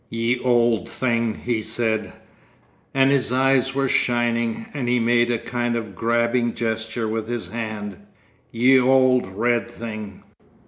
'Ye auld thing,' he said—and his eyes were shining, and he made a kind of grabbing gesture with his hand; 'ye auld red thing....